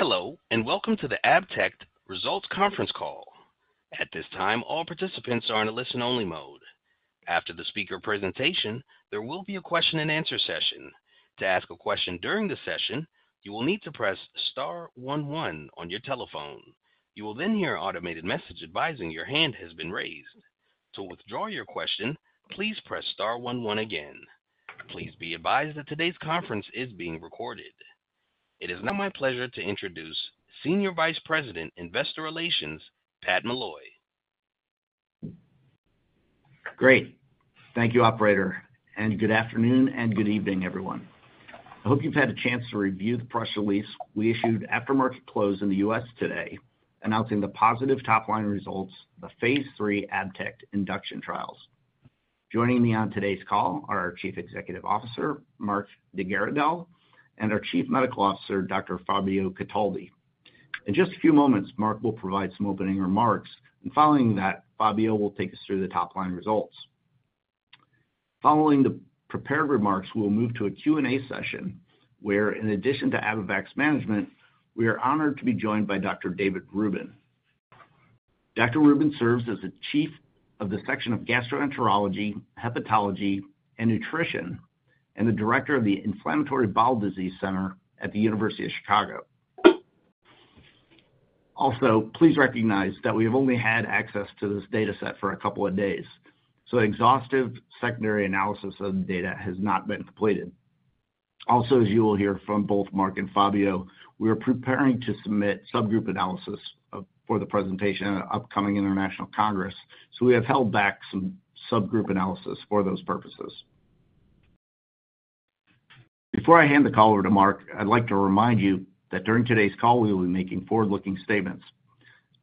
Hello and welcome to the ABTECT results conference call. At this time, all participants are in a listen-only mode. After the speaker presentation, there will be a question and answer session. To ask a question during the session, you will need to press star 11 on your telephone. You will then hear an automated message advising your hand has been raised. To withdraw your question, please press star 11 again. Please be advised that today's conference is being recorded. It is now my pleasure to introduce Senior Vice President Investor Relations, Pat Molloy. Great. Thank you, operator, and good afternoon and good evening, everyone. I hope you've had a chance to review the press release we issued after market close in the U.S. today announcing the positive top line results of the Phase 3 ABTECT induction trials. Joining me on today's call are our Chief Executive Officer, Marc de Garidel, and our Chief Medical Officer, Dr. Fabio Cataldi. In just a few moments, Marc will provide some opening remarks, and following that, Fabio will take us through the top line results. Following the prepared remarks, we will move to a Q&A session where, in addition to Abivax's management, we are honored to be joined by Dr. David Rubin. Dr. Rubin serves as the Chief of the Section of Gastroenterology, Hepatology and Nutrition, and the Director of the Inflammatory Bowel Disease Center at the University of Chicago. Also, please recognize that we have only had access to this data set for a couple of days, so exhaustive secondary analysis of the data has not been completed. As you will hear from both Marc and Fabio, we are preparing to submit subgroup analysis for presentation at an upcoming international congress. We have held back some subgroup analysis for those purposes. Before I hand the call over to Marc, I'd like to remind you that during today's call we will be making forward-looking statements.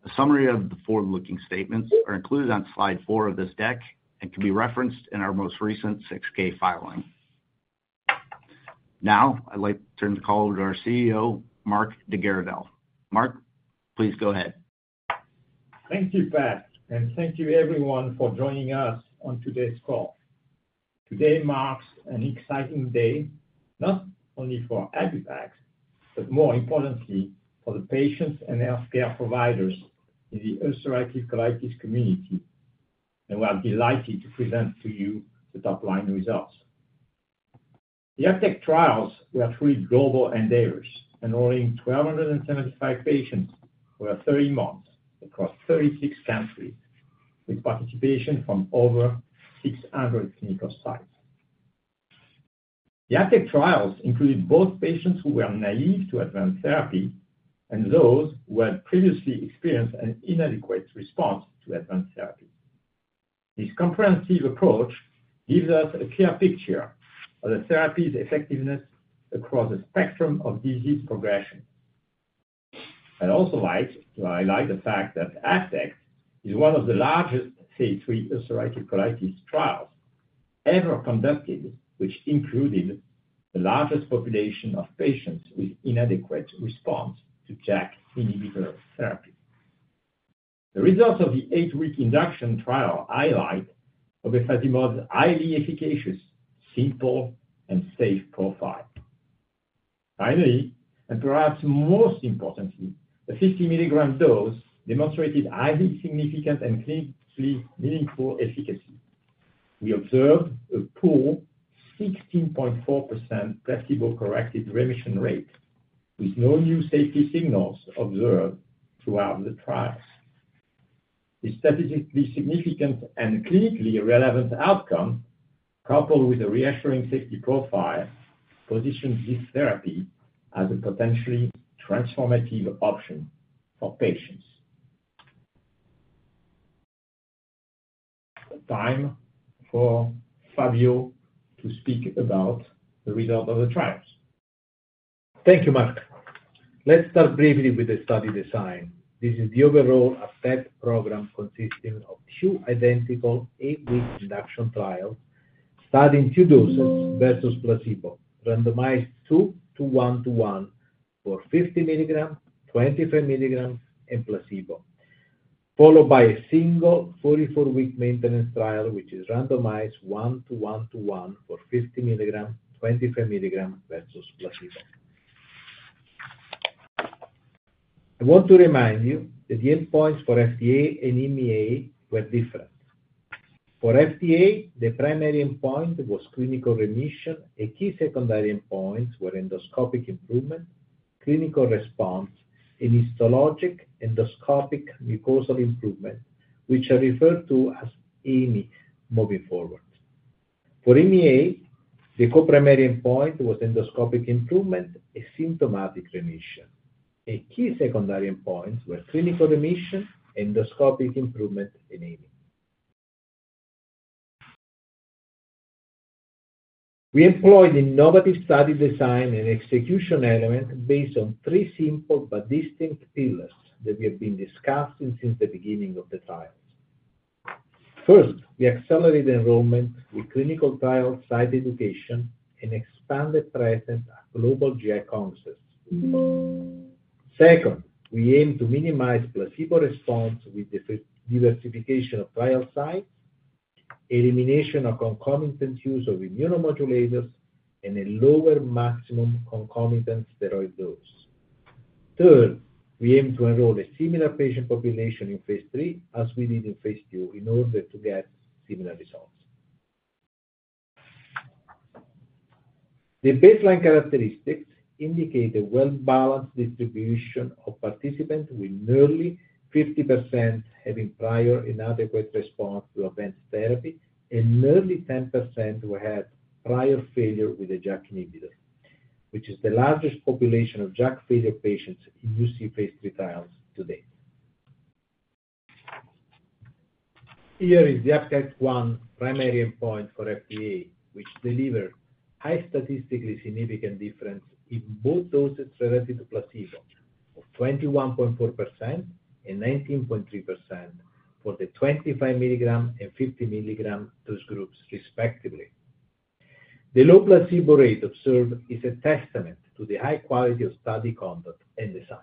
A summary of the forward-looking statements is included on slide 4 of this deck and can be referenced in our most recent 6K filing. Now I'd like to turn the call over to our CEO, Marc de Garidel. Marc, please go ahead. Thank you, Pat. Thank you everyone for joining us on today's call. Today marks an exciting day not only for Abivax, but more importantly for the patients and health care providers in the ulcerative colitis community. We are delighted to present to. You the top line results. The ABTECT trials were truly global endeavors, enrolling 1,275 patients over 30 months across 36 countries with participation from over 600 clinical sites. The ABTECT trials included both patients who were naive to advanced therapy and those who had previously experienced an inadequate response to advanced therapies. This comprehensive approach gives us a clear picture of the therapy's effectiveness across a spectrum of disease progression. I'd also like to highlight the fact that ABTECT is one of the largest Phase 3 ulcerative colitis trials ever conducted, which included the largest population of patients. With inadequate response to JAK inhibitor therapy. The results of the eight week induction trial highlight obefazimod's highly efficacious, simple, and safe profile. Finally, and perhaps most importantly, the 50 milligram dose demonstrated highly significant and clinically meaningful efficacy. We observed a robust 16.4% placebo-corrected remission rate with no new safety signals observed throughout the trials. This statistically significant and clinically relevant outcome, coupled with a reassuring safety profile, positions this therapy as a potentially transformative option for patients. Time for Fabio to speak about the. Result of the trials. Thank you Marc. Let's start briefly with the study design. This is the overall ABTECT program consisting of two identical eight-week induction trials studying two doses versus placebo, randomized 2 to 1 to 1 for 50 mg, 25 mg, and placebo, followed by a single 44-week maintenance trial which is randomized 1 to 1 to 1 for 50 mg, 25 mg, versus placebo. I want to remind you that the endpoints for FDA and EMA were different. For FDA, the primary endpoint was clinical remission. A key secondary endpoint were endoscopic improvement, clinical response, and histologic endoscopic mucosal improvement, which are referred to as iMI. Moving forward, for iMI, the co-primary endpoint was endoscopic improvement, asymptomatic remission. A key secondary endpoint were clinical remission, endoscopic improvement, and iMI. We employed innovative study design and execution element based on three simple but distinct pillars that we have been discussing since the beginning of the trials. First, we accelerate enrollment with clinical sites education and expand the presence of global GI counsel. Second, we aim to minimize placebo response with diversification of trial sites, elimination of concomitant use of immunomodulators, and a lower maximum concomitant steroid dose. Third, we aim to enroll a similar patient population in Phase 3 as we did in Phase 2 in order to get similar results. The baseline characteristics indicate a well-balanced distribution of participants with nearly 50% having prior inadequate response to advanced therapy and nearly 10% who had prior failure with a JAK inhibitor, which is the largest population of JAK failure patients in UC Phase 3 trials to date. Here is the ABTECT-1 primary endpoint for FDA, which delivered high statistically significant difference in both doses related to placebo of 21.4% and 19.3% for the 25 mg and 50 mg dose groups, respectively. The low placebo rate observed is a testament to the high quality of study conduct and design.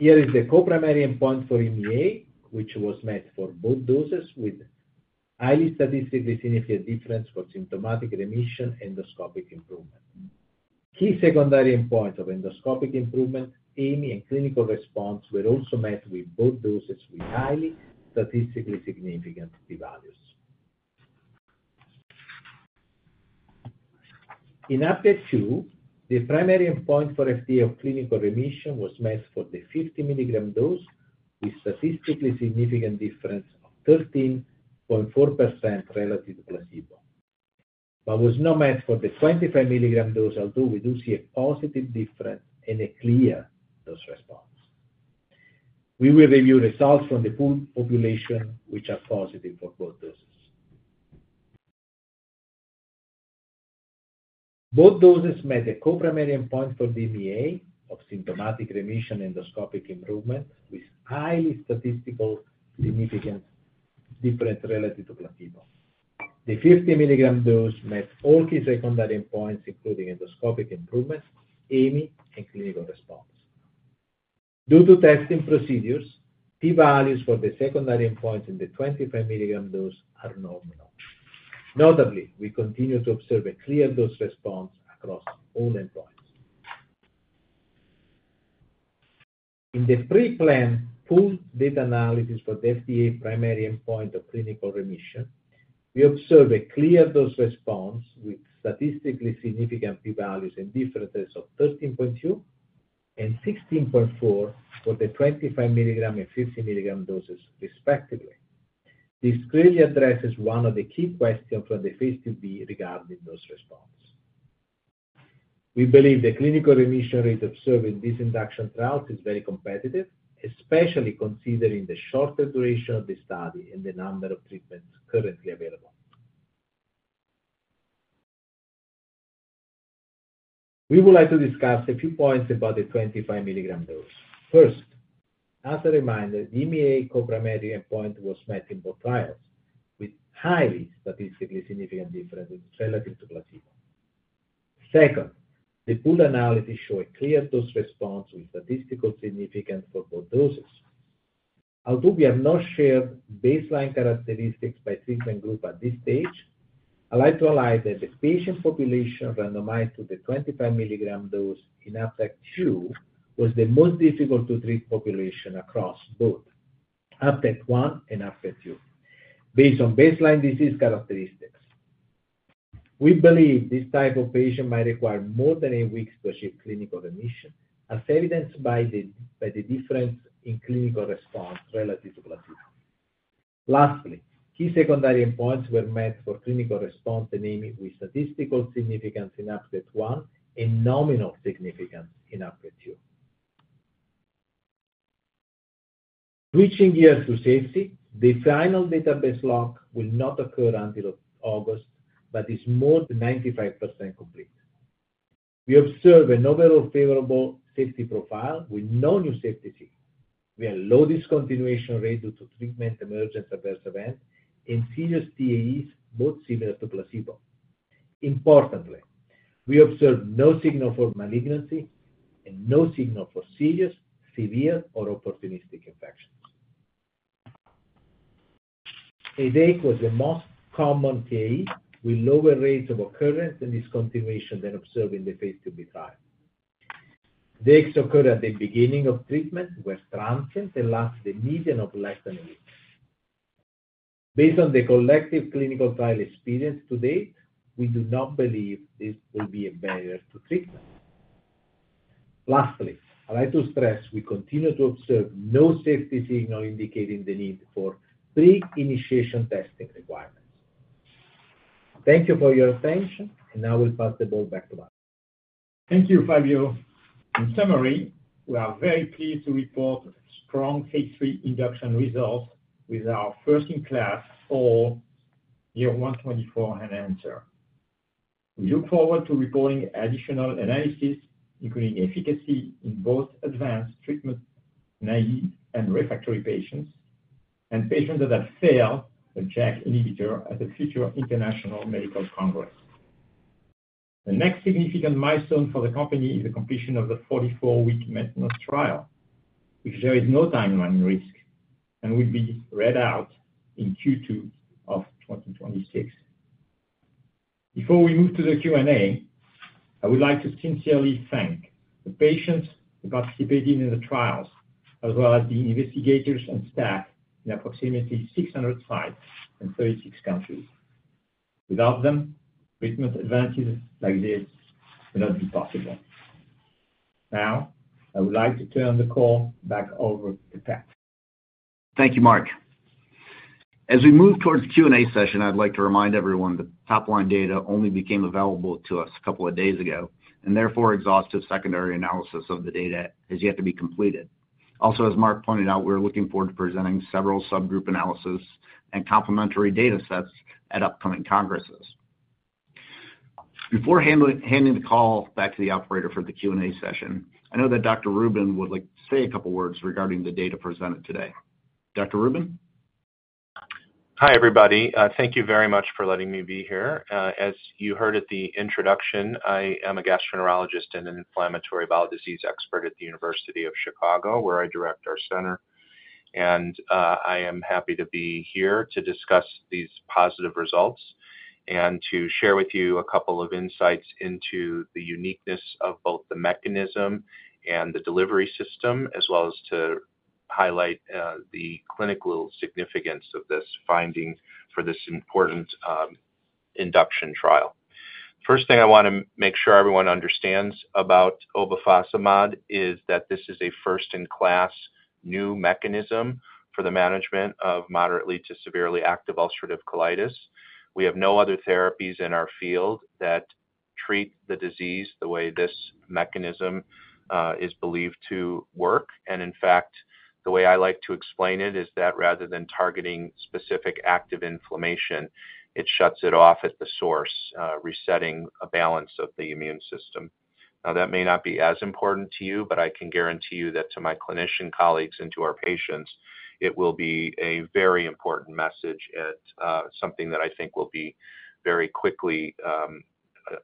Here is the co-primary endpoint for EMA, which was met for both doses with highly statistically significant difference for symptomatic remission. Endoscopic improvement, key secondary endpoint of endoscopic improvement, iMI, and clinical response were also met with both doses with highly statistically significant p values in FDA 2. The primary endpoint for FDA of clinical remission was met for the 50 milligram dose with statistically significant difference of 13.4% relative to placebo, but was not met for the 25 milligram dose. Although we do see a positive difference and a clear dose response, we will review results from the population which are positive for both doses. Both doses met the co-primary endpoint for EMA of symptomatic remission and endoscopic improvement with highly statistically significant difference relative to placebo. The 50 milligram dose met all key secondary endpoints including endoscopic improvements, anemia, and clinical response due to testing procedures. P values for the secondary endpoints in the 25 milligram dose are nominal. Notably, we continue to observe a clear dose response across all endpoints in the pre-planned full data analysis. For the FDA primary endpoint of clinical remission, we observe a clear dose response with statistically significant P values and differences of 13.2% and 16.4% for the 25 milligram and 50 milligram doses, respectively. This clearly addresses one of the key questions from the Phase 2B regarding dose responses. We believe the clinical remission rate observed in these induction trials is very competitive, especially considering the shorter duration of the study and the number of treatments currently available. We would like to discuss a few points about the 25 milligram dose. First, as a reminder, the EMA co-primary endpoint was met in both trials with highly statistically significant differences relative to placebo. Second, the pooled analysis shows a clear dose response with statistical significance for both doses. Although we have not shared baseline characteristics by treatment group at this stage, I'd like to highlight that the patient population randomized to the 25 milligram dose in ABTECT 2 was the most difficult to treat population across both ABTECT 1 and ABTECT 2. Based on baseline disease characteristics, we believe this type of patient might require more than eight weeks to achieve clinical remission as evidenced by the difference in clinical response relative to placebo. Lastly, key secondary endpoints were met for clinical response and anemia with statistical significance in ABTECT 1 and nominal significance in ABTECT 2. Reaching gears to safety, the final database lock will not occur until August but is more than 95% complete. We observe an overall favorable safety profile with no new safety concerns. We have low discontinuation rate due to treatment emergent adverse event and serious adverse events, both similar to placebo. Importantly, we observed no signal for malignancy and no signal for serious, severe, or opportunistic infections. Headache was the most common adverse event with lower rates of occurrence and discontinuation than observed in the Phase IIb trial. The headaches occur at the beginning of treatment, were transient, and last a median of less than two weeks. Based on the collective clinical trial experience to date, we do not believe this will be a barrier to treatment. Lastly, I'd like to stress we continue to observe no safety signal indicating the need for pre-initiation testing requirements. Thank you for your attention and I will pass the ball back to Barry. Thank you, Fabio. In summary, we are very pleased to report strong Phase 3 induction results with our first-in-class all year 124 enhancer. We look forward to reporting additional analysis, including efficacy in both advanced treatment-naive and refractory patients and patients that have failed the JAK inhibitor at the future international medical congress. The next significant milestone for the company is the completion of the 44-week Metanos trial if there is no timeline risk and will be read out in Q2 of 2026. Before we move to the Q&A, I would like to sincerely thank the patients who participated in the trials as well as the investigators and staff in approximately 600 sites and 36 countries. Without them, treatment advantages like this will not be possible. Now I would like to turn the call back over to Pat. Thank you, Marc. As we move towards Q&A session, I'd like to remind everyone that top line data only became available to us a couple of days ago, and therefore exhaustive secondary analysis of the data has yet to be completed. Also, as Marc pointed out, we're looking forward to presenting several subgroup analyses and complementary data sets at upcoming congresses. Before handing the call back to the operator for the Q&A session, I know that Dr. Rubin would like to say a couple words regarding the data presented today. Hi everybody. Thank you very much for letting me be here. As you heard at the introduction, I am a gastroenterologist and an inflammatory bowel disease expert at the University of Chicago, where I direct our center. I am happy to be here to discuss these positive results and to share with you a couple of insights into the uniqueness of both the mechanism and the delivery system, as well as to highlight the clinical significance of this finding for this important induction trial. First thing I want to make sure everyone understands about obefazimod is that this is a first-in-class new mechanism for the management of moderately to severely active ulcerative colitis. We have no other therapies in our field that treat the disease the way this mechanism is believed to work. In fact, the way I like to explain it is that rather than targeting specific active inflammation, it shuts it off at the source, resetting a balance of the immune system. That may not be as important to you, but I can guarantee you that to my clinician colleagues and to our patients, it will be a very important message and something that I think will be very quickly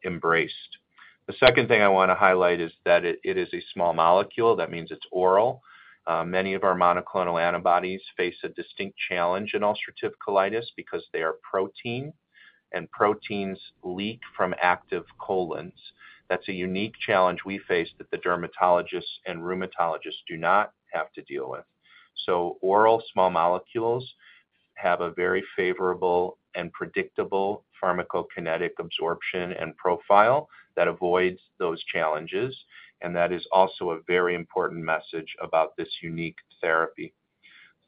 embraced. The second thing I want to highlight is that it is a small molecule. That means it's oral. Many of our monoclonal antibodies face a distinct challenge in ulcerative colitis because they are protein and proteins leak from active colons. That's a unique challenge we face that the dermatologists and rheumatologists do not have to deal with. Oral small molecules have a very favorable and predictable pharmacokinetic absorption and profile that avoids those challenges. That is also a very important message about this unique therapy.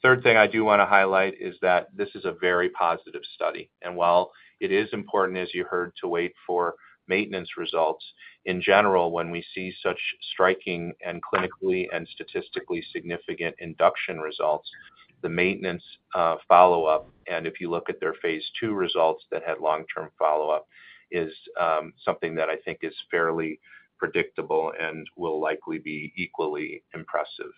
Third thing I do want to highlight is that this is a very positive study. While it is important, as you heard, to wait for maintenance results, in general, when we see such striking and clinically and statistically significant induction results, the maintenance follow-up, and if you look at their phase 2 results that had long-term follow-up, is something that I think is fairly predictable and will likely be equally impressive.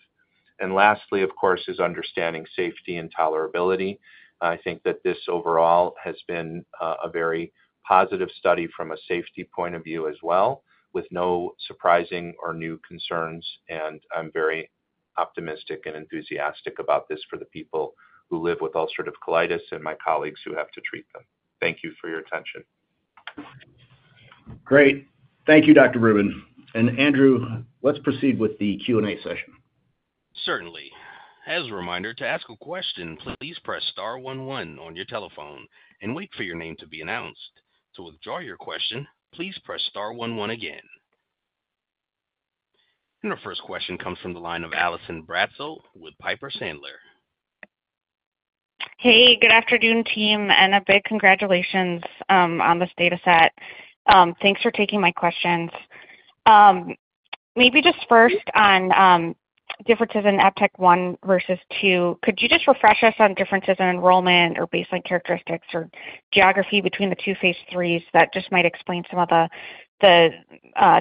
Lastly, of course, is understanding safety and tolerability. I think that this overall has been a very positive study from a safety point of view as well, with no surprising or new concerns. I am very optimistic and enthusiastic about this for the people who live with ulcerative colitis and my colleagues who have to treat them. Thank you for your attention. Great. Thank you, Dr. Rubin and Andrew. Let's proceed with the Q and A session. Certainly. As a reminder to ask a question, please press star 11 on your telephone and wait for your name to be announced. To withdraw your question, please press star 11 again. Our first question comes from the line of Allison Bratzel with Piper Sandler & Co. Hey, good afternoon team and a big congratulations on this data set. Thanks for taking my questions. Maybe just first on differences in ABTECT 1 versus 2, could you just refresh us on differences in enrollment or baseline characteristics or geography between the two Phase 3s? That just might explain some of the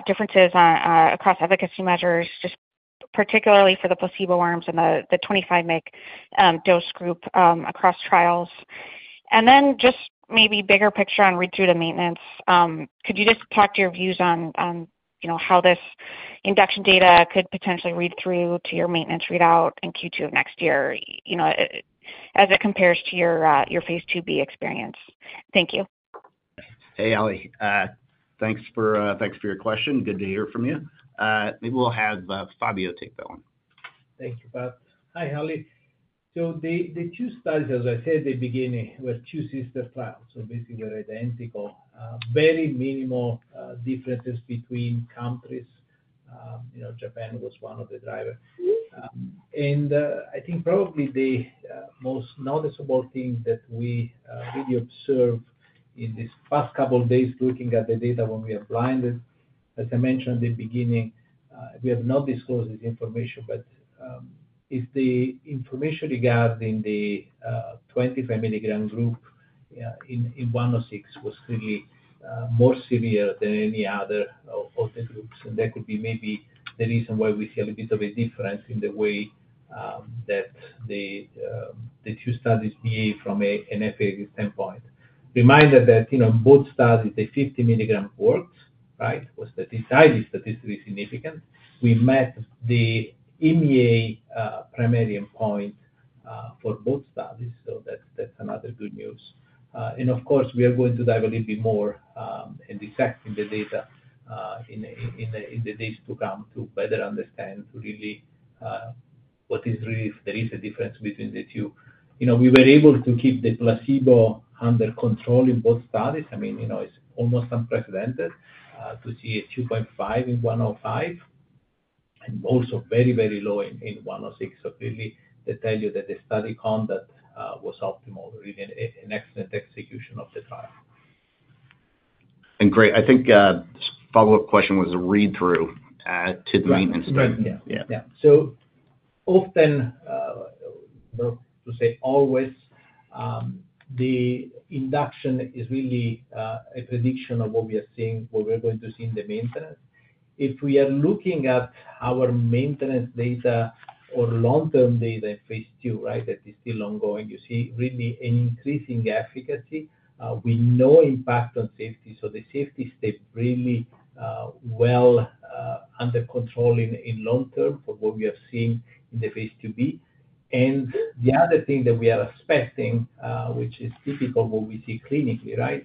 differences across efficacy measures, just particularly for the placebo arms and the 25 mg dose group across trials. Maybe bigger picture on read through to maintenance. Could you just talk to your views on how this induction data could potentially read through to your maintenance readout in Q2 of next year as it compares to your Phase IIb experience. Thank you. Hey Allie, thanks for your question. Good to hear from you. Maybe we'll have Fabio take that one. Thank you, Pat. Hi Holly. The two studies, as I said, they begin with two sister trials. Basically, they're identical. Very minimal differences between countries. Japan was one of the drivers and I think probably the most noticeable thing that we observed in this past couple days looking at the data when we are blinded. As I mentioned at the beginning, we have not disclosed this information. If the information regarding the 25 milligram group in 106 was clearly more severe than any other of the groups, that could be maybe the reason why we feel a bit of a difference in the way that the two studies from an FAQ standpoint reminded that both studies, the 50 milligram port, was highly statistically significant. We met the Mea Primarium point for both studies. That's another good news. Of course, we are going to dive a little bit more and dissect the data in the days to come to better understand really what is really, if there is a difference between the two. We were able to keep the placebo under control in both studies. It's almost unprecedented to see a 2.5 in 105 and also very, very low in 106. Clearly, they tell you that the study conduct was optimal. Really an excellent execution of the trial and great. I think the follow up question was a read through to the maintenance so often. To say always the induction is really a prediction of what we are seeing, what we're going to see in the maintenance. If we are looking at our maintenance data or long term data in Phase II. Right. That is still ongoing, you see really an increasing efficacy. We know impact on safety. The safety stays really well under control in long term for what we have seen in the Phase IIb. The other thing that we are expecting, which is typical what we see clinically. Right.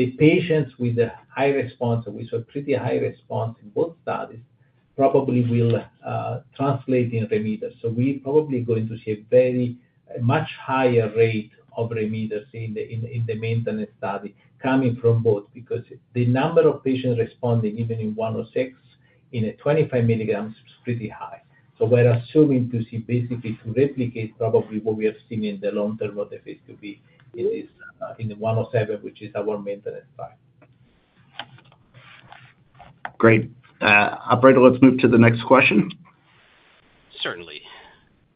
The patients with a high response, with a pretty high response in both studies, probably will translate in remission. We are probably going to see a much higher rate of remission in the maintenance study coming from both because the number of patients responding even in 106 in a 25 mg is pretty high. We are assuming to see basically to replicate probably what we have seen in the long term of the Phase IIb in 107, which is our maintenance time. Great, operator. Let's move to the next question. Certainly,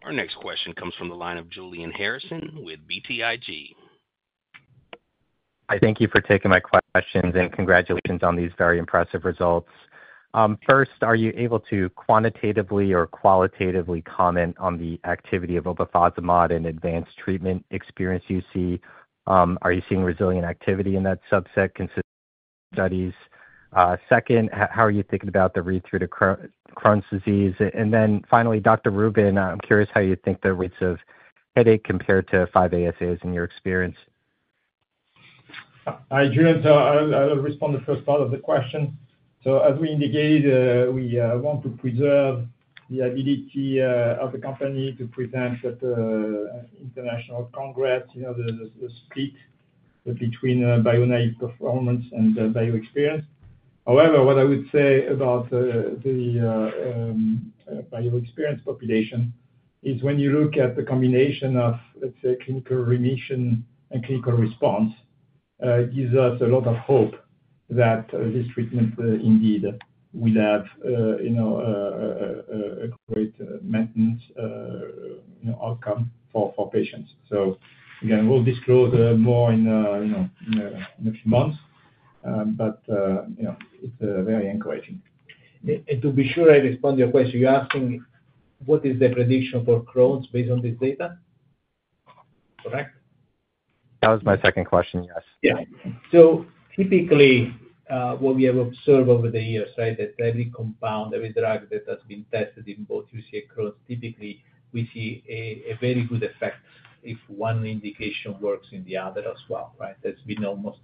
our next question comes from the line of Julian Harrison with BTIG. Hi, thank you for taking my questions. Congratulations on these very impressive results. First, are you able to quantitatively or qualitatively comment on the activity of obefazimod in advanced treatment experience? Are you seeing resilient activity? In that subset, consistent studies? Second, how are you thinking about the. Read through to Crohn's disease? Finally, Dr. Rubin, I'm curious. How you think the rates of headache. Compared to 5-ASAs in your experience. Hi Julian. I'll respond to the first part of the question. As we indicated, we want to preserve the ability of the company to present at International Congress, you know, the split between biologic performance and bio-experienced. What I would say about the bio-experienced population is when you look at the combination of, let's say, clinical remission and clinical response, it gives us a lot of hope that this treatment indeed will have a great maintenance outcome for patients. We'll disclose more in a few months, but it's very encouraging. To be sure, I respond to your question. You're asking what is the prediction for Crohn's based on this data? Correct. That was my second question. Yes. Yeah. Typically what we have observed over the years is that every compound, every drug that has been tested in both UC and Crohn's, typically we see a very good effect if one indication works in the other as well. Right. There's been almost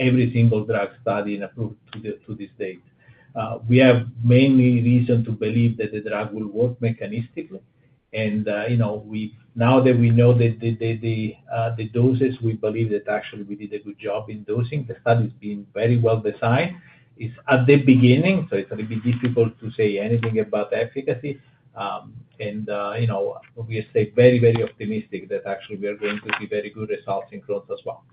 every single drug study approved to this date. We have mainly reason to believe that the drug will work mechanistically. You know, now that we know the doses, we believe that actually we did a good job in dosing. The study has been very well designed. It's at the beginning, so it's a little bit difficult to say anything about efficacy. We stay very, very optimistic that actually we are going to see very good results in Crohn's. As well.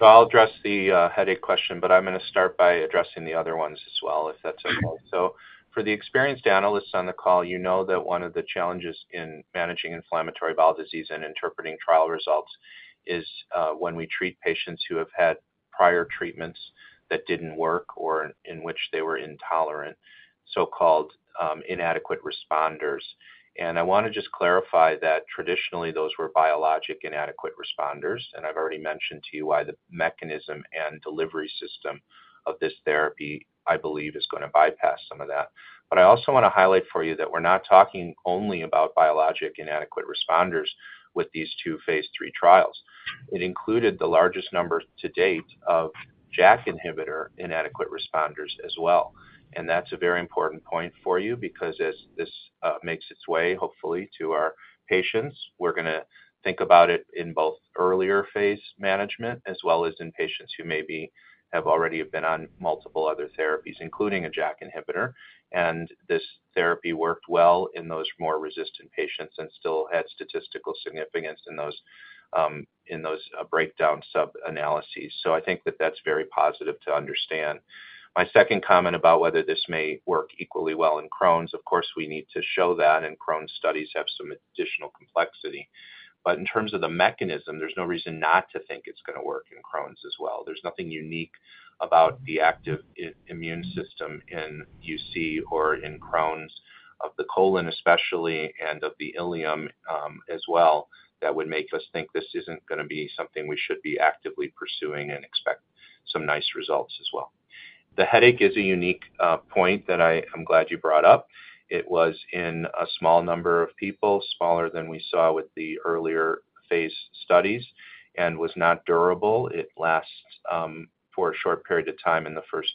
I'll address the headache question, but I'm going to start by addressing the other ones as well, if that's okay. For the experienced analysts on the call, you know that one of the challenges in managing inflammatory bowel disease and interpreting trial results is when we treat patients who have had prior treatments that didn't work or in which they were intolerant, so-called inadequate responders. I want to just clarify that traditionally those were biologic inadequate responders. I've already mentioned to you why. The mechanism and delivery system of this therapy I believe is going to bypass some of that. I also want to highlight for you that we're not talking only about biologic inadequate responders. With these two Phase 3 trials, it included the largest number to date of JAK inhibitor inadequate responders as well. That's a very important point for you because as this makes its way hopefully to our patients, we're going to think about it in both earlier phase management as well as in patients who maybe have already been on multiple other therapies including a JAK inhibitor. This therapy worked well in those more resistant patients and still had statistical significance in those breakdown sub analyses. I think that that's very positive. To understand my second comment about whether this may work equally well in Crohn's, of course we need to show that and Crohn's studies have some additional complexity. In terms of the mechanism, there's no reason not to think it's going to work in Crohn's as well. There's nothing unique about the active immune system in ulcerative colitis or in Crohn's of the colon especially and of the ileum as well that would make us think this isn't going to be something we should be actively pursuing and expect some nice results as well. The headache is a unique point that I am glad you brought up. It was in a small number of people, smaller than we saw with the earlier phase studies, and was not durable. It lasts for a short period of time in the first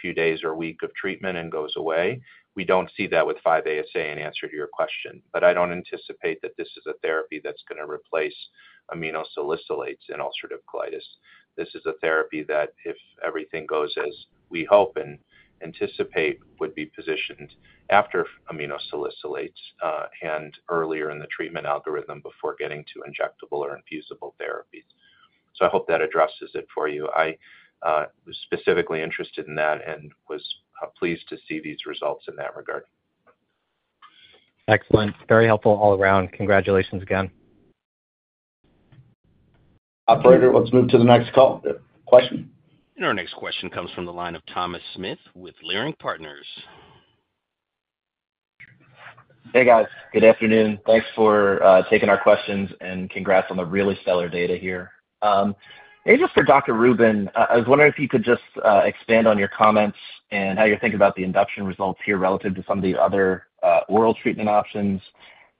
few days or week of treatment and goes away. We don't see that with 5-ASA in answer to your question. I don't anticipate that this is a therapy that's going to replace aminosalicylates in ulcerative colitis. This is a therapy that if everything goes as we hope and anticipate, would be positioned after aminosalicylates and earlier in the treatment algorithm before getting to injectable or infeasible therapies. I hope that addresses it for you. I was specifically interested in that and was pleased to see these results in that regard. Excellent. Very helpful all around. Congratulations again, operator. Let's move to the next call question. Our next question comes from the line of Thomas Smith with Leerink Partners. Hey guys, good afternoon. Thanks for taking our questions and congrats. On the really stellar data here. Asia for Dr. Rubin. I was wondering if you could just. Expand on your comments and how you're thinking about the induction results here relative to some of the other oral treatment options.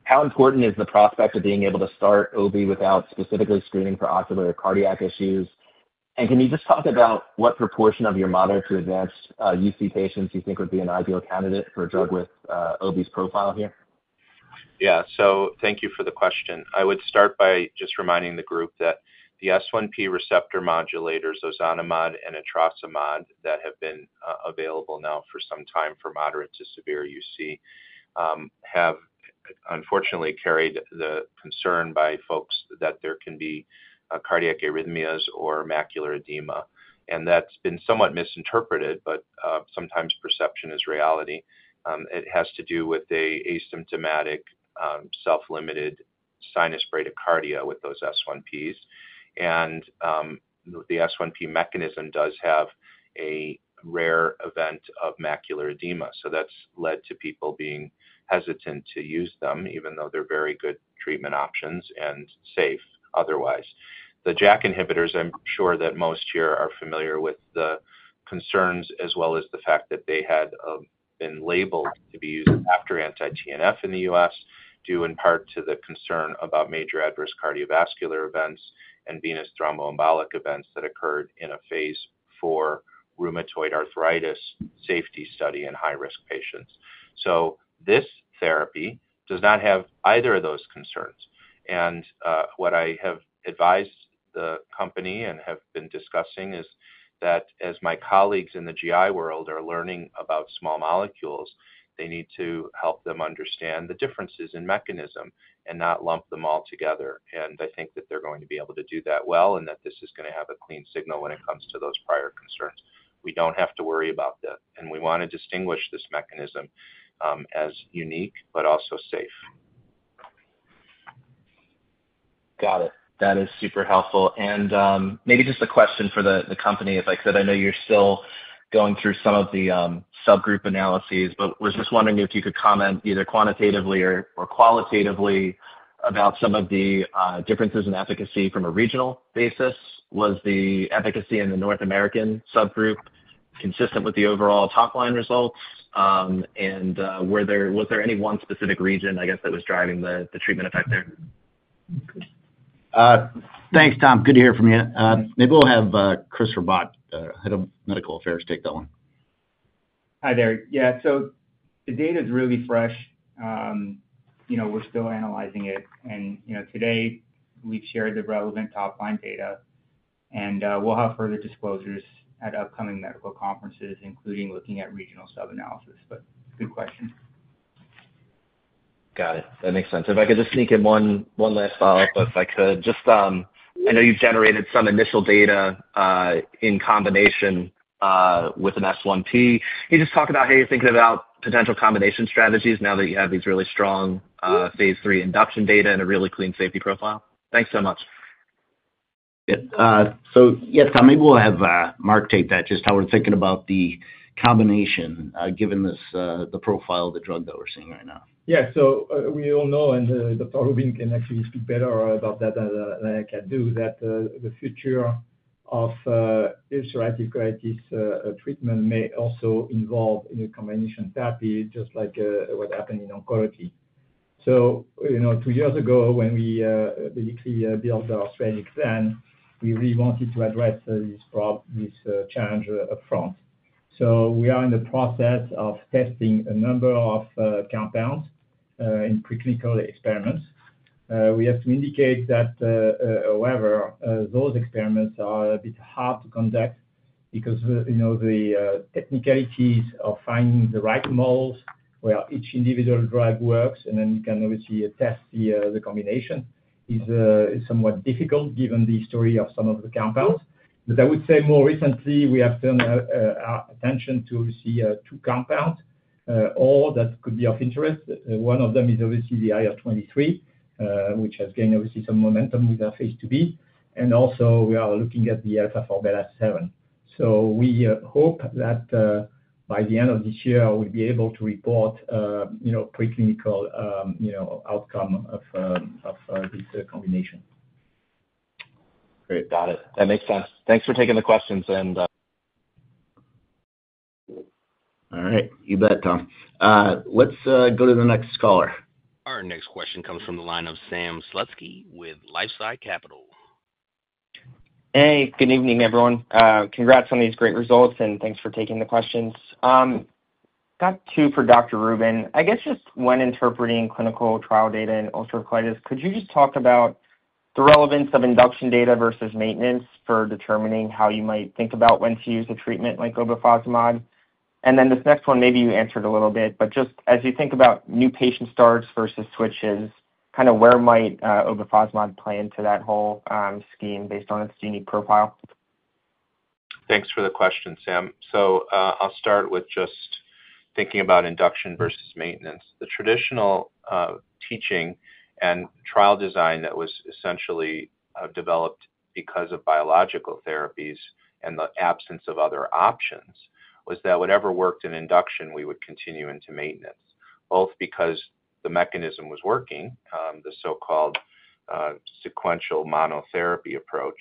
How important is the prospect of being able to start obefazimod without specifically screening for ocular cardiac issues? Can you just talk about what. Proportion of your moderate to advanced UC patients you think would be an ideal candidate for a drug with obefazimod's profile here? Thank you for the question. I would start by just reminding the group that the S1P receptor modulators, ozanimod and etrasimod, that have been available now for some time for moderate to severe UC have unfortunately carried the concern by folks that there can be cardiac arrhythmias or macular edema. That's been somewhat misinterpreted. Sometimes perception is reality. It has to do with an asymptomatic, self-limited sinus bradycardia with those S1Ps. The S1P mechanism does have a rare event of macular edema, so that's led to people being hesitant to use them even though they're very good treatment options and safe otherwise. The JAK inhibitors, I'm sure that most here are familiar with the concerns as well as the fact that they had been labeled to be used after anti-TNF in the U.S. due in part to the concern about major adverse cardiovascular events and venous thromboembolic events that occurred in a Phase 4 rheumatoid arthritis safety study in high-risk patients. This therapy does not have either of those concerns. What I have advised the company and have been discussing is that as my colleagues in the GI world are learning about small molecules, they need to help them understand the differences in mechanism and not lump them all together. I think that they're going to be able to do that well and that this is going to have a clean signal when it comes to those prior concerns. We don't have to worry about that and we want to distinguish this mechanism as unique but also safe. Got it. That is super helpful, and maybe just a question for the company. I know you're still going through some. Of the subgroup analyses, I was just wondering if you could comment either quantitatively or qualitatively about some of the differences in efficacy from a regional basis. Was the efficacy in the North American subgroup consistent with the overall top line results? Was there any one specific region that was driving the treatment effect there? Thanks, Tom. Good to hear from you. Maybe we'll have Chris Rabat, Head of Medical Affairs, take that one. Hi there. The data is really fresh. We're still analyzing it, and today we've shared the relevant top line data. We'll have further disclosures at upcoming medical conferences, including looking at regional sub analysis. Good question. Got it. That makes sense. If I could just sneak in one last follow up. I know you've generated some initial data in combination with an S1P. Can you just talk about how you're thinking about potential combination strategies now that you have these really strong Phase 3 induction data and a really clean safety profile? Thanks so much. Yes, Tom, maybe we'll have Marc take that. Just how we're thinking about the combination given this, the profile of the drug that we're seeing right now. Yeah, we all know, and Dr. Rubin can actually speak better about that. I can do that. The future of ulcerative colitis treatment may also involve combination therapy, just like what happened in oncology. Two years ago, when we basically built our strategic plan, we really wanted to address this challenge up front. We are in the process of testing a number of compounds in preclinical experiments. We have to indicate that. However, those experiments are a bit hard to conduct because the technicalities of finding the right models where each individual drug works and then you can obviously test the combination is somewhat difficult given the story of some of the compounds. I would say more recently we have turned our attention to see two compounds that could be of interest. One of them is obviously the IL23, which has gained some momentum with FH2B. We are also looking at the Alpha 4 beta 7. We hope that by the end of this year we'll be able to report preclinical outcome of this combination. Great. Got it. That makes sense. Thanks for taking the questions. All right. You bet, Tom. Let's go to the next caller. Our next question comes from the line of Sam Slutsky with LifeSci Capital. Hey, good evening, everyone. Congrats on these great results and thanks for taking the questions. Got two for Dr. Rubin. I guess just when interpreting clinical trial data in ulcerative colitis, could you just talk about the relevance of induction data versus maintenance for determining how you might think about when to use a treatment like obefazimod? This next one, maybe you answered a little bit. Just as you think about new patient starts versus switches, kind of where might obefazimod play into that whole scheme based on its genius profile. Thanks for the question, Sam. I'll start with just thinking about induction versus maintenance. The traditional teaching and trial design that was essentially developed because of biological therapies and the absence of other options was that whatever worked in induction we would continue into maintenance, both because the mechanism was working, the so-called sequential monotherapy approach,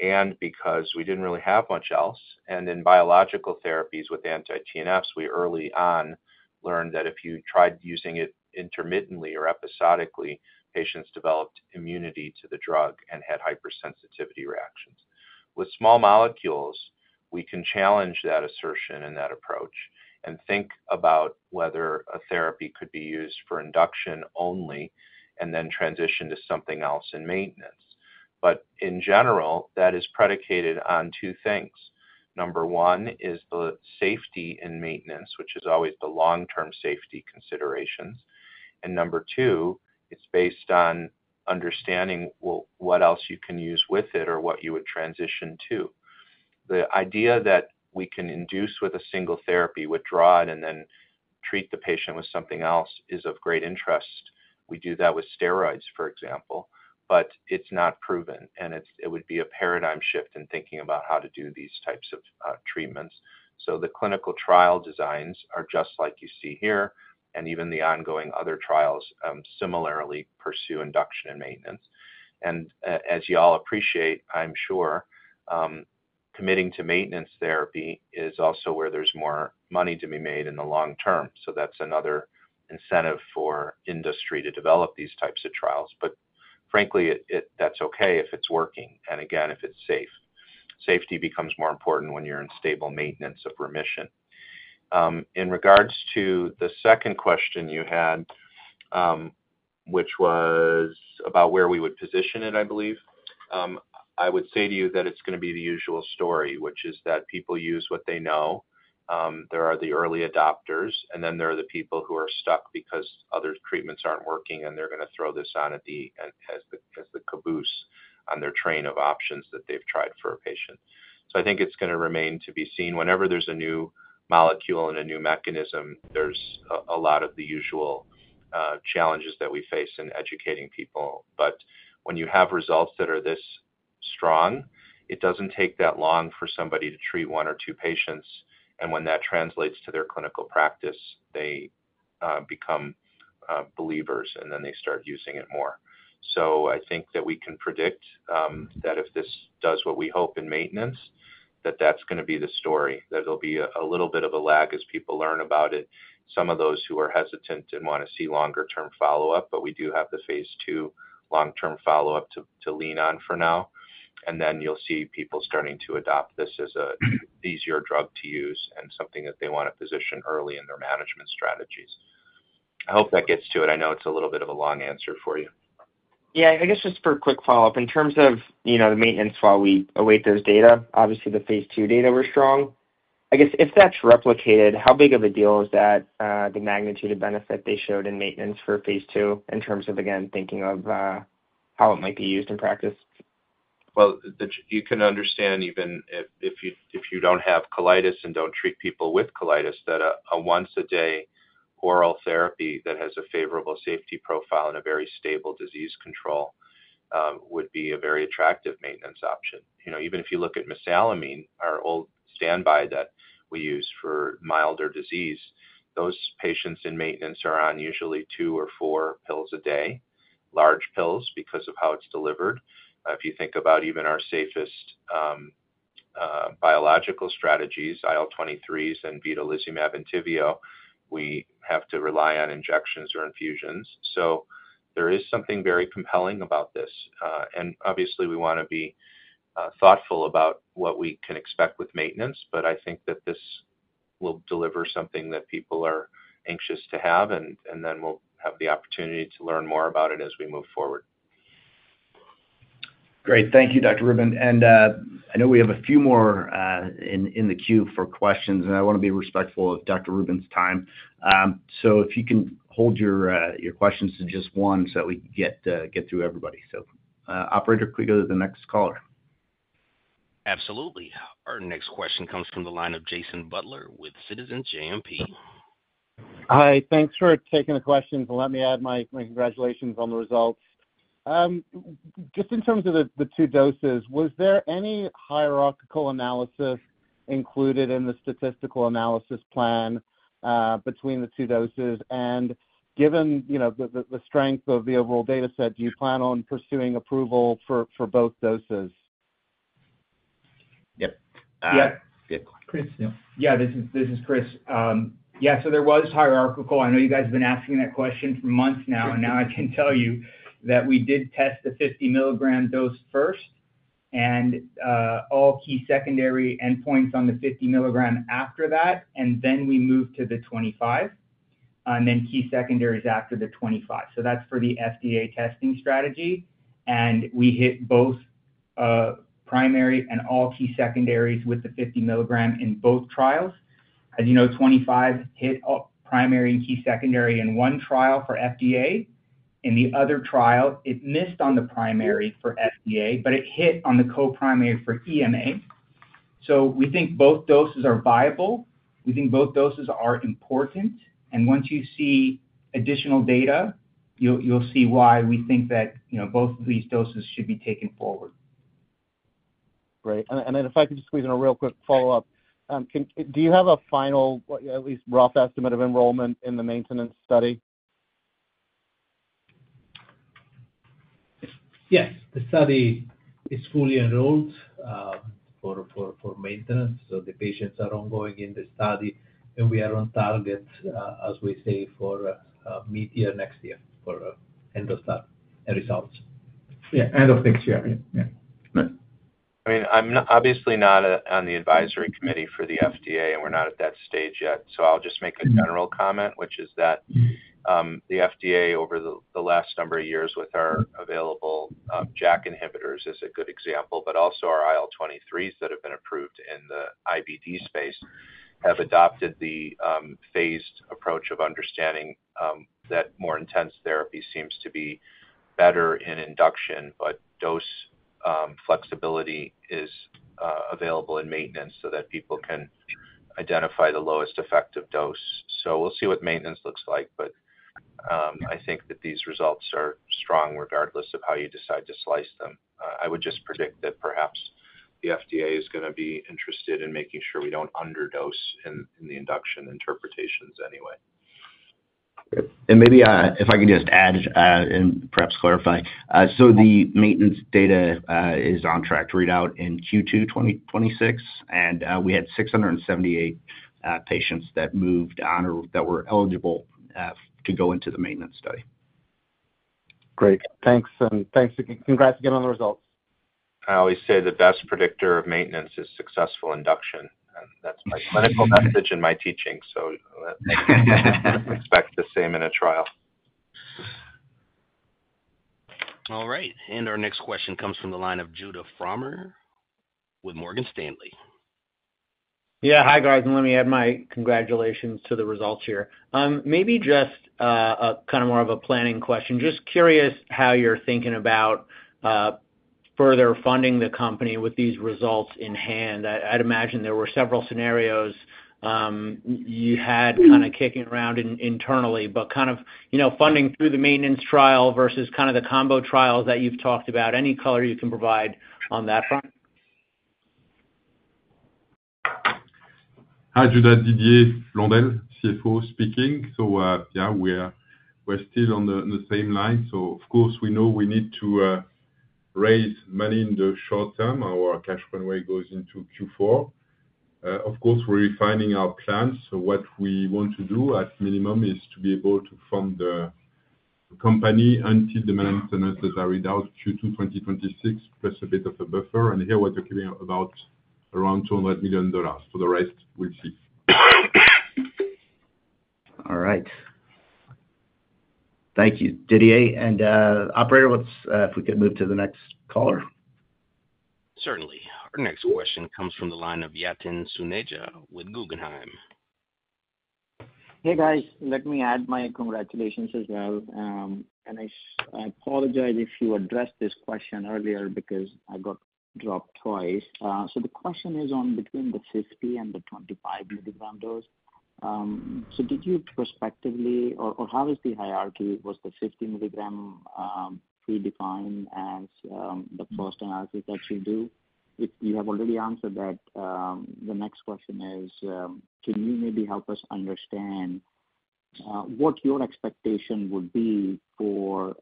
and because we didn't really have much else. In biological therapies with anti-TNF, we early on learned that if you tried using it intermittently or episodically, patients developed immunity to the drug and had hypersensitivity reactions. With small molecules, we can challenge that assertion and that approach and think about whether a therapy could be used for induction only and then transition to something else in maintenance. In general, that is predicated on two things. Number one is the safety in maintenance, which is always the long-term safety concern considerations. Number two, it's based on understanding what else you can use with it or what you would transition to. The idea that we can induce with a single therapy, withdraw it, and then treat the patient with something else is of great interest. We do that with steroids, for example, but it's not proven and it would be a paradigm shift in thinking about how to do these types of treatments. The clinical trial designs are just like you see here. Even the ongoing other trials similarly pursue induction and maintenance. As you all appreciate, I'm sure, committing to maintenance therapy is also where there's more money to be made in the long term. That's another incentive for industry to develop these types of trials. Frankly, that's okay if it's working and again if it's safe. Safety becomes more important when you're in stable maintenance of remission. In regards to the second question you had, which was about where we would position it, I believe I would say to you that it's going to be the usual story, which is that people use what they know. There are the early adopters and then there are the people who are stuck because other treatments aren't working and they're going to throw this on as the caboose on their train of options that they've tried for a patient. I think it's going to remain to be seen whenever there's a new molecule and a new mechanism. There's a lot of the usual challenges that we face in educating people. When you have results that are this strong, it doesn't take that long for somebody to treat one or two patients. When that translates to their clinical practice, they become believers and then they start using it more. I think that we can predict that if this does what we hope in maintenance, that's going to be the story. There will be a little bit of a lag as people learn about it. Some of those who are hesitant and want to see longer term follow up, but we do have the phase 2 long term follow up to lean on for now. You'll see people starting to adopt this as an easier drug to use and something that they want to position early in their management strategies. I hope that gets to it. I know it's a little bit of a long answer for you. I guess just for a quick follow up in terms of, you know, the maintenance while we await those data. Obviously the Phase II data were strong. I guess if that's replicated, how big of a deal is that, the magnitude of benefit they showed in maintenance for Phase II in terms of, again, thinking of how it might be used in practice? You can understand even if you don't have colitis and don't treat people with colitis, that a once a day oral therapy that has a favorable safety profile and a very stable disease control would be a very attractive maintenance option. Even if you look at mesalamine, our old standby that we use for milder disease, those patients in maintenance are on usually two or four pills a day, large pills, because of how it's delivered. If you think about even our safest biologics strategies, IL23s and vedolizumab and Entyvio, we have to rely on injections or infusions. There is something very compelling about this, and obviously we want to be thoughtful about what we can expect with maintenance, but I think that this will deliver something that people are anxious to have and then we'll have the opportunity to learn more about it as we move forward. Great. Thank you, Dr. Rubin. I know we have a few more in the queue for questions and I want to be respectful of Dr. Rubin's time. If you can hold your questions to just one so that we can get through everybody, operator could you go to the next caller? Absolutely. Our next question comes from the line of Jason Butler with Citizens JMP. Hi, thanks for taking the questions and let me add my congratulations on the results. Just in terms of the two doses, was there any hierarchical analysis included in the statistical analysis plan between the two doses? Given the strength of the overall data set, do you plan on pursuing approval for both doses? Yep. Yeah, this is Chris. There was hierarchical. I know you guys have been asking that question for months now. I can tell you that we did test the 50 milligram dose first and all key secondary endpoints on the 50 milligram after that, and then we move to the 25 and then key secondaries after the 25. That's for the FDA testing strategy. We hit both primary and all key secondaries with the 50 milligram in both trials. As you know, 25 hit primary and key secondary in one trial for FDA. In the other trial it missed on the primary for FDA, but it hit on the co-primary for EMA. We think both doses are viable. We think both doses are important. Once you see additional data, you'll see why we think that both of. These doses should be taken forward. Great. If I could just squeeze in a real quick follow up. Do you have a final, at least rough estimate of enrollment in the maintenance study? Yes, the study is fully enrolled for maintenance. The patients are ongoing in the study and we are on target, as we say, for mid year next year for end of study results end of next year. I'm obviously not on the advisory committee for the FDA and we're not at that stage yet. I'll just make a general comment, which is that the FDA over the last number of years with our available JAK inhibitor is a good example. Also, our IL23s that have been approved in the IBD space have adopted the phased approach of understanding that more intense therapy seems to be better in induction, but dose flexibility is available in maintenance so that people can identify the lowest effective dose. We'll see what maintenance looks like. I think that these results are strong regardless of how you decide to slice them. I would just predict that perhaps the FDA is going to be interested in making sure we don't underdose in the induction interpretations anyway and maybe if I. Could just add and perhaps clarify. The maintenance data is on track to read out in Q2 2026, and we had 678 patients that moved on or that were eligible to go into the maintenance study. Great, thanks. Again, congrats again on the results. I always say the best predictor of maintenance is successful induction. That's my clinical message and my teaching. Expect the same in a trial. All right, our next question comes from the line of Judah Frommer with Morgan Stanley. Hi, guys. Let me add my congratulations to the results here. Maybe just kind of more of a planning question. Just curious how you're thinking about further. Funding the company with these results in hand, I'd imagine there were several scenarios you had kind of kicking around internally, but funding through the maintenance trial versus the combo trials that you've talked about, any color you can provide on that front. Hi, Judith. Didier Blondel, CFO speaking. Yes, we're still on the same line. Of course, we know we need to raise money in the short term. Our cash runway goes into Q4. We're refining our plans. What we want to do at minimum is to be able to fund the company until the maintenance that I read out Q2 2026, plus a. Bit of a buffer. We're talking about around $200 million for the rest. We'll see. All right. Thank you, Didier and operator. If we could move to the next caller. Certainly. Our next question comes from the line of Yatin Suneja with Guggenheim Securities. Hey, guys, let me add my congratulations as well, and I apologize if you addressed this question earlier because I got dropped twice. The question is on between the 50 and the 25 milligram dose. Did you prospectively or how is the hierarchy? Was the 50 milligram predefined as the first analysis that you do? If you have already answered that, the next question is, can you maybe help us understand what your expectation would be for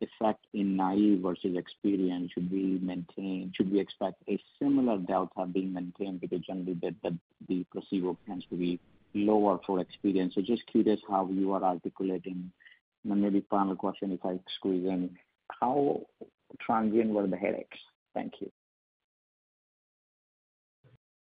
effect in naive versus experience? Should we maintain, should we expect a similar delta being maintained? Generally, the placebo tends to be lower for experience. Just curious how you are articulating maybe. Final question, if I squeeze in, how transient were the headaches? Thank you,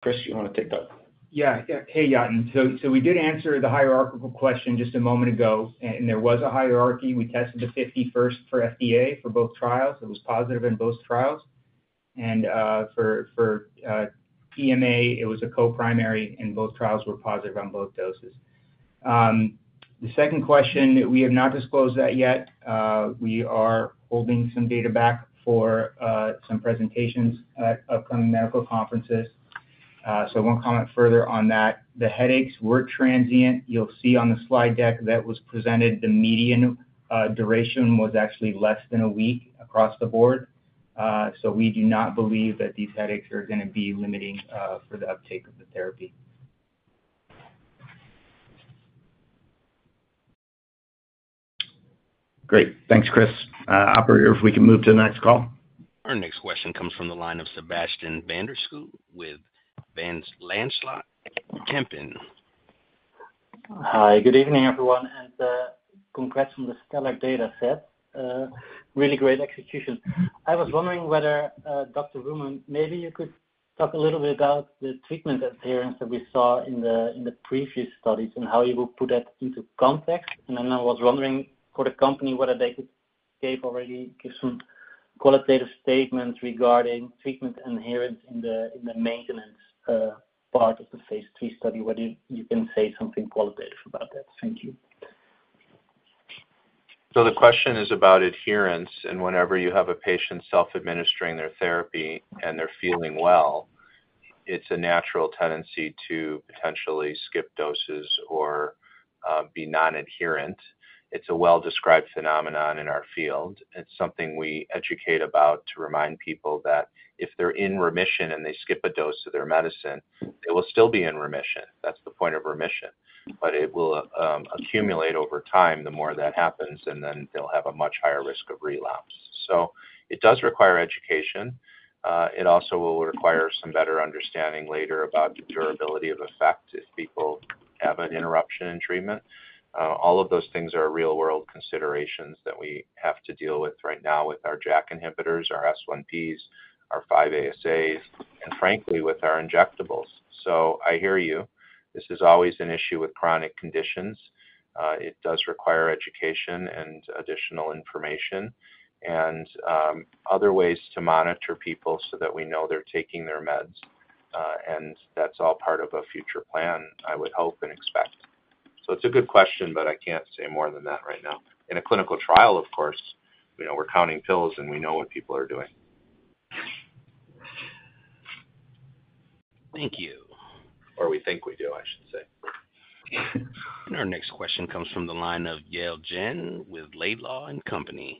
Chris. You want to take that? Yeah. Hey, Yatn. We did answer the hierarchical question just a moment ago. There was a hierarchy. We tested the 5% first for FDA for both trials. It was positive in both trials, and for EMA, it was a co-primary and both trials were positive on both doses. The second question, we have not disclosed that yet. We are holding some data back for some presentations at upcoming medical conferences. I won't comment further on that. The headaches were transient. You'll see on the slide deck that was presented. The median duration was actually less than a week across the board. We do not believe that these headaches are going to be limiting for. The upcoming of the therapy. Great, thanks Chris. Operator, if we can move to the next call. Our next question comes from the line of Sebastian van der Schans with Van Lanschot Kempen. Hi, good evening everyone and congrats on the stellar data set. Really great execution. I was wondering whether Dr. Rubin, maybe you could talk a little bit about the treatment adherence that we saw in the previous studies and how you will put that into context. I was wondering for the company whether they could already give some qualitative statements regarding treatment adherence in the maintenance part of the Phase 3 study. Whether you can say something qualitative about that. Thank you. The question is about adherence, and whenever you have a patient self-administering their therapy and they're feeling well, it's a natural tendency to potentially skip doses or be non-adherent. It's a well-described phenomenon in our field. It's something we educate about to remind people that if they're in remission and they skip a dose of their medicine, they will still be in remission. That's the point of remission. It will accumulate over time the more that happens, and then they'll have a much higher risk of relapse. It does require education. It also will require some better understanding later about the durability of effect if people have an interruption in treatment. All of those things are real-world considerations that we have to deal with right now with our JAK inhibitors, our S1Ps, our 5-ASAs, and frankly with our injectables. I hear you. This is always an issue with chronic conditions. It does require education and additional information and other ways to monitor people so that we know they're taking their meds. That's all part of a future plan I would hope and expect. It's a good question, but I can't say more than that right now. In a clinical trial, of course we're counting pills and we know what people are doing. Thank you. Or we think we do. I should say our next question comes from the line of Yale Jin with Laidlaw and Company.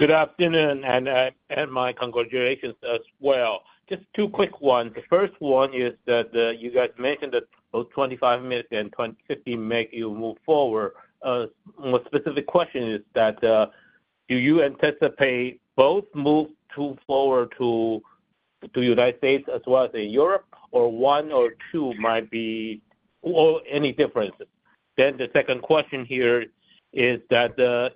Good afternoon and my congratulations as well. Just two quick ones. The first one is that you guys mentioned that both 25 milligrams and 50 milligrams make you move forward. A specific question is that do you anticipate both movements forward to United States as well as in Europe, or one or two might be, or any difference? The second question here is that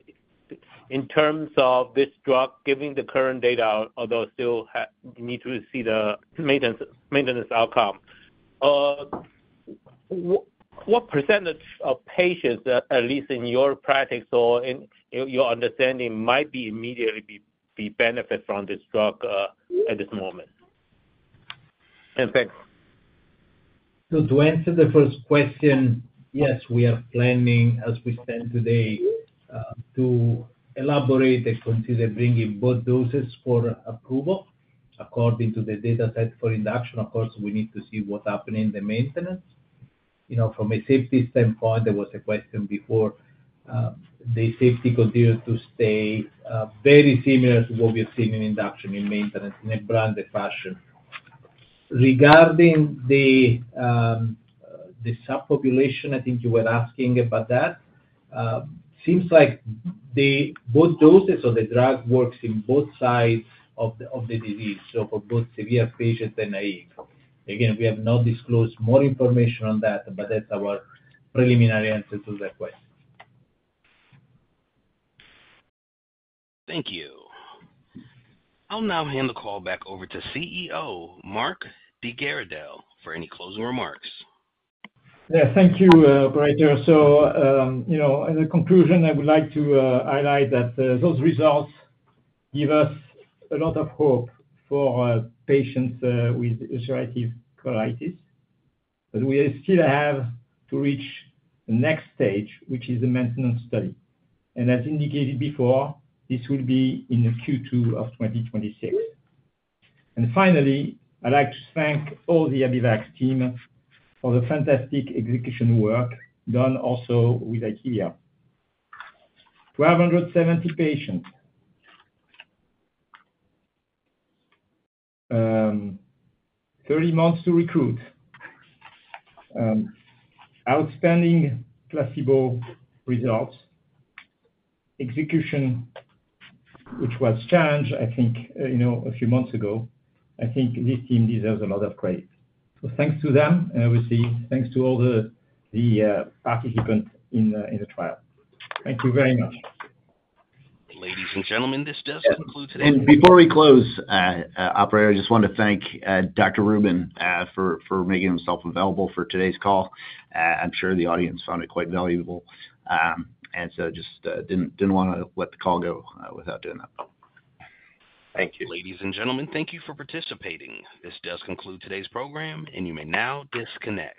in terms of this drug, given the current data, although still need to see the maintenance outcome, what % of patients, at least in your practice or your understanding, might immediately benefit from this drug at this moment? Thanks. To answer the first question, yes, we are planning as we stand today to elaborate and consider bringing both doses for approval according to the data set for induction. Of course, we need to see what's happening in the maintenance. From a safety standpoint, there was a question before; the safety continues to stay very similar to what we've seen in induction and maintenance in a branded fashion. Regarding the subpopulation, I think you were asking about that. It seems like both doses of the drug work in both sides of the disease, so for both severe patients and naive. Again, we have not disclosed more information on that, but that's our preliminary answer to that question. Thank you. I'll now hand the call back over to CEO Marc de Garidel for any closing remarks. Thank you, operator. In conclusion, I would like to highlight that those results give us a lot of hope for patients with ulcerative colitis. We still have to reach the next stage, which is the maintenance study. As indicated before, this will be in Q2 2026. Finally, I'd like to thank all the Abivax team for the fantastic execution work done. Also, with 1,270 patients, 30 months to recruit, outstanding placebo results, execution which was changed, I think, a few months ago. I think this team deserves a lot of credit. Thanks to them, we see. Thanks to all the participants in the trial. Thank you very much, ladies and gentlemen. This does conclude today. Before we close, operator, I just want to thank Dr. Rubin for making himself available for today's call. I'm sure the audience found it quite valuable and just didn't want to let the call go without doing that. Thank you, ladies and gentlemen. Thank you for participating. This does conclude today's program, and you may now disconnect.